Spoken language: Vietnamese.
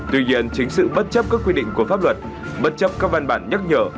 tuy nhiên chính sự bất chấp các quy định của pháp luật bất chấp các văn bản nhắc nhở